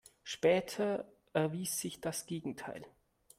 Später erwies sich das Gegenteil.